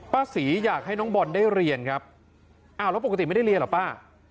ป้าศรีอยากให้น้องบอลได้เรียนครับอ้าวแล้วปกติไม่ได้เรียนเหรอป้า